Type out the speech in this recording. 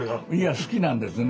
好きなんですね。